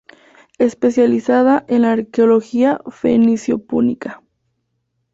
Especializada en la Arqueología fenicio-púnica.